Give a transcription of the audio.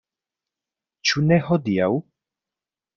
Ĉu ne hodiaŭ?